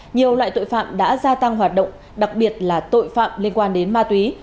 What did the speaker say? nhiều loại tội phạm đã gia tăng hoạt động đặc biệt là tội phạm liên quan đến ma túy